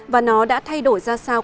và nó đã thay đổi ra sao